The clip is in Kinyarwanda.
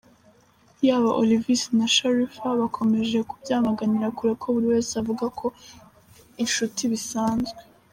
Yaba Olvis na Sharifa bakomeje kubyamaganira kure buri wese akavuga ko inshuti bisanzwe.